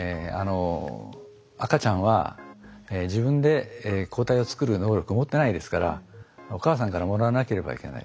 赤ちゃんは自分で抗体を作る能力を持ってないですからお母さんからもらわなければいけない。